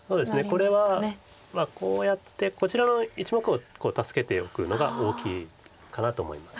これはこうやってこちらの１目を助けておくのが大きいかなと思います。